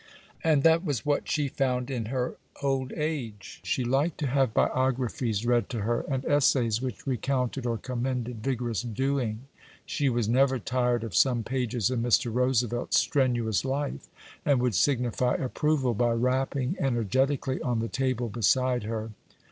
And that was what she found in her old age. She liked to have biographies read to her, and essays which recounted or commended vigorous doing. She was never tired of some pages in Mr. Roosevelt's Strenuous Life, and would signify approval by rapping energetically on the table beside her.